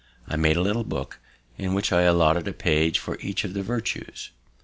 I made a little book, in which I allotted a page for each of the virtues.